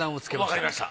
わかりました。